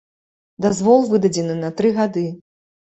Дазвол выдадзены на тры гады.